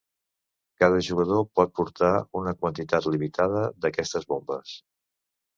Cada jugador pot portar una quantitat limitada d'aquestes bombes.